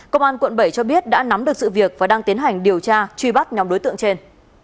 công an quận bảy cho biết đã nắm được sự việc và đang tiến hành điều tra truy bắt nhóm đối tượng trên